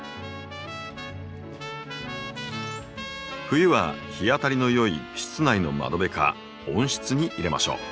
冬は日当たりのよい室内の窓辺か温室に入れましょう。